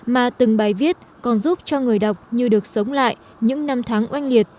mà từng bài viết còn giúp cho người đọc như được sống lại những năm tháng oanh liệt